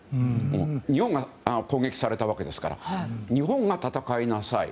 日本が攻撃されたわけですから日本が戦いなさい